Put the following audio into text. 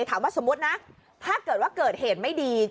สมมุตินะถ้าเกิดว่าเกิดเหตุไม่ดี